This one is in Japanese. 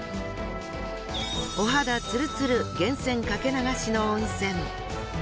お肌ツルツル源泉かけ流しの温泉。